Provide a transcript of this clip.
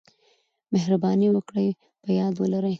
مهرباني وکړئ په یاد ولرئ: